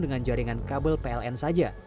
dengan jaringan kabel pln saja